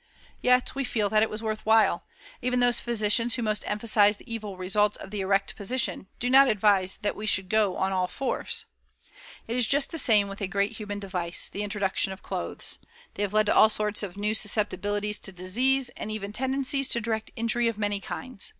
Yet we feel that it was worth while; even those physicians who most emphasize the evil results of the erect position do not advise that we should go on all fours. It is just the same with a great human device, the introduction of clothes. They have led to all sorts of new susceptibilities to disease and even tendencies to direct injury of many kinds.